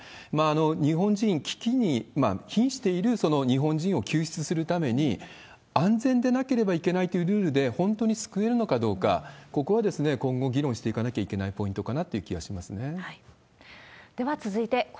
日本人、危機にひんしている日本人を救出するために安全でなければいけないというルールで本当に救えるのかどうか、ここは今後、議論していかなきゃいけないポイントかなって気がしますね。